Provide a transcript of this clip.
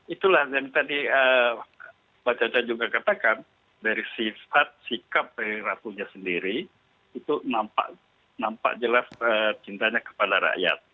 itulah yang tadi pak caca juga katakan dari sifat sikap dari ratunya sendiri itu nampak jelas cintanya kepada rakyat